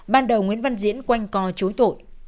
ban đầu nguyễn văn diễn quanh co chối tội